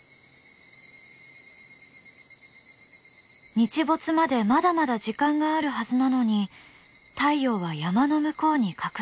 日没までまだまだ時間があるはずなのに太陽は山の向こうに隠れていく。